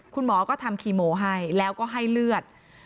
คุณหมอก็ทำคีโมให้แล้วก็ให้เลือด